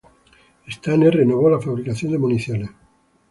Stane renovó la fabricación de municiones.